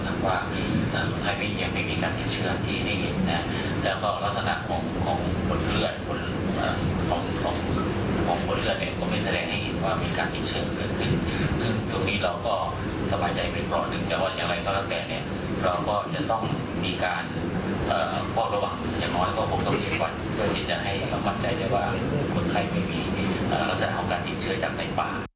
ตอนนี้มียอมจากว่าใครไม่เยี่ยมไม่มีการที่ช่วย